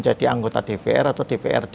jadi anggota dpr atau dprg